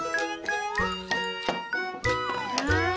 はい。